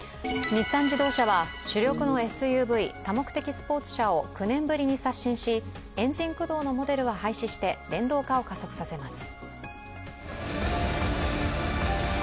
日産自動車は主力のＳＵＶ＝多目的スポーツ車を９年ぶりに刷新し、エンジン駆動のモデルは廃止して電動化を加速させます。